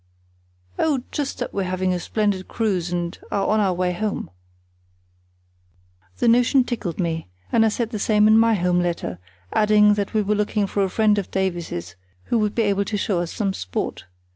"Oh, just that we're having a splendid cruise, and are on our way home." The notion tickled me, and I said the same in my home letter, adding that we were looking for a friend of Davies's who would be able to show us some sport.